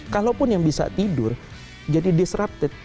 kalaupun yang bisa tidur jadi disrupted